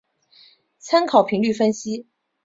参考频率分析。